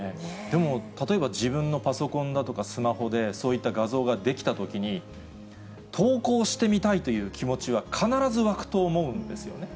でも、例えば自分のパソコンだとかスマホで、そういった画像が出来たときに、投稿してみたいという気持ちは必ず湧くと思うんですよね。